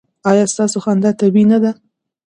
ایا ستاسو خندا طبیعي نه ده؟